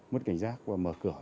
mất cảnh giác và mở cửa